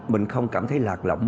mình không cảm thấy lạc lỏng